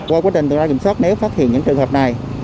qua quá trình tự do kiểm soát nếu phát hiện những trường hợp này